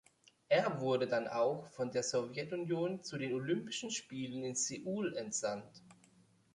Er wurde dann auch von der Sowjetunion zu den Olympischen Spielen in Seoul entsandt.